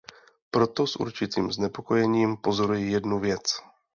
Proto s určitým znepokojením pozoruji jednu věc.